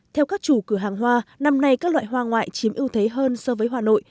theo các chủ cửa hàng hoa năm nay các loại hoa ngoại chiếm ưu thế hơn so với hoa nội